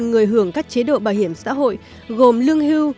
người hưởng các chế độ bảo hiểm xã hội gồm lương hưu